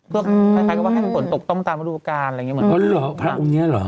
เพื่อใครก็ว่าให้ประกวดตกต้องตามวัตถุการณ์อะไรอย่างเงี้ยเหมือนกันพระองค์เนี่ยเหรอ